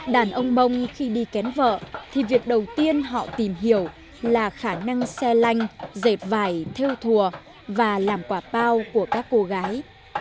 đàn ông mông khi đi kén vợ thì việc đầu tiên họ tìm hiểu là khả năng xe lanh dệt vải theo thùa và làm quả bao của các cô gái